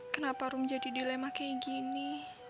kenapa rum jadi dilema kayak gini